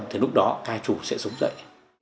thì lúc đó ca trù sẽ sống dậy